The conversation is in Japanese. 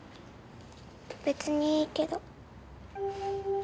別にいいけど。